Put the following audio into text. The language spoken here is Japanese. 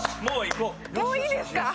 もういいですか？